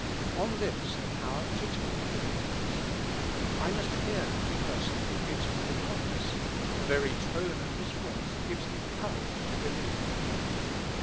On this the power to take depends. I must hear the person who gives me the promise : the very tone of his voice gives me courage to be lieve.